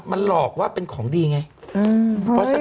มันหลอกว่าเป็นของดีไง